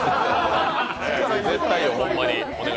絶対よ、ホンマに。